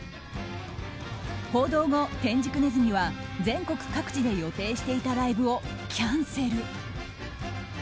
報道後、天竺鼠は全国各地で予定していたライブをキャンセル。